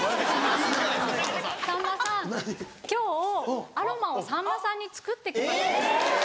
今日アロマをさんまさんに作ってきました。